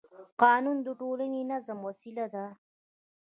قانون د ټولنې د نظم وسیله ده